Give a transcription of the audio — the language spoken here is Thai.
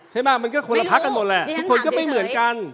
ใช่ไหมมันก็คนละพักกันหมดแหละไม่รู้ดิฉันถามเฉยเฉยทุกคนก็ไม่เหมือนกัน